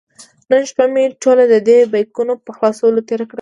نن شپه مې ټوله د دې بیکونو په خلاصولو تېره کړې.